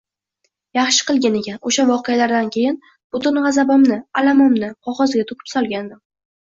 Yaxshi qilgan ekan, oʻsha voqealardan keyin butun gʻazabimni, alamimni qogʻozga toʻkib solgandim.